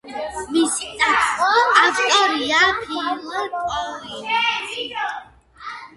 მისი ტექსტის ავტორია ფილ კოლინზი.